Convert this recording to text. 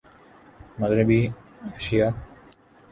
مغربی ایشیا